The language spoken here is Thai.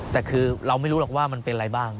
แต่คือเราไม่รู้หรอกว่ามันเป็นอะไรบ้าง